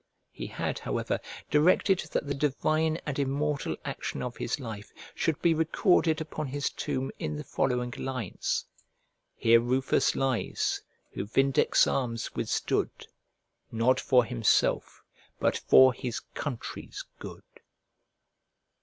He had however directed that the divine and immortal action of his life should be recorded upon his tomb in the following lines: "Here Rufus lies, who Vindex' arms withstood, Not for himself, but for his country's good."